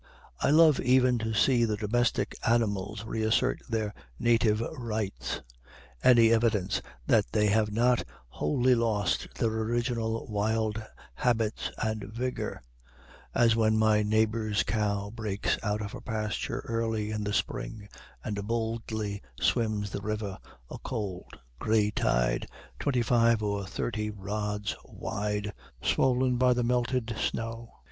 I love even to see the domestic animals reassert their native rights, any evidence that they have not wholly lost their original wild habits and vigor; as when my neighbor's cow breaks out of her pasture early in the spring and boldly swims the river, a cold, gray tide, twenty five or thirty rods wide, swollen by the melted snow.